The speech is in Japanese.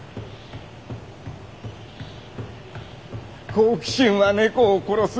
「好奇心は猫を殺す」